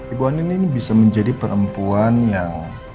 ibu ani ini bisa menjadi perempuan yang